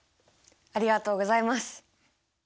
ありがとうございます！